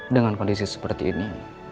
dengan kondisi seperti ini